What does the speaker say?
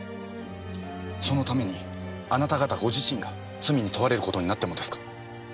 そのためにあなた方ご自身が罪に問われる事になってもですか？